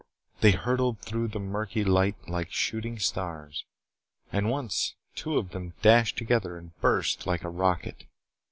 They hurtled through the murky light like shooting stars. And once two of them dashed together and burst like a rocket.